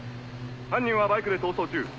犯人はバイクで逃走中。